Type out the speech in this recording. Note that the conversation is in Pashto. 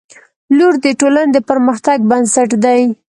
• لور د ټولنې د پرمختګ بنسټ دی.